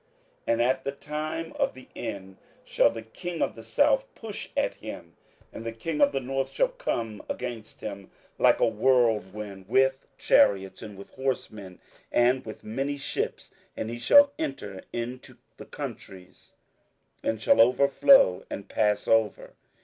27:011:040 And at the time of the end shall the king of the south push at him: and the king of the north shall come against him like a whirlwind, with chariots, and with horsemen, and with many ships; and he shall enter into the countries, and shall overflow and pass over.